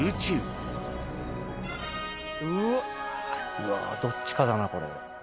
うわどっちかだなこれ。